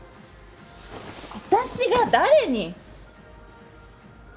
私が誰に？